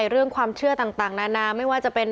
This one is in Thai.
เรื่องความเชื่อต่างนานาไม่ว่าจะเป็น